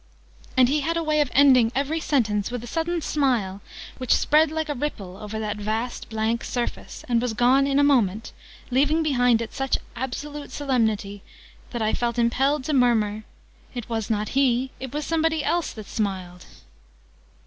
And he had a way of ending every sentence with a sudden smile, which spread like a ripple over that vast blank surface, and was gone in a moment, leaving behind it such absolute solemnity that I felt impelled to murmur "it was not he: it was somebody else that smiled!"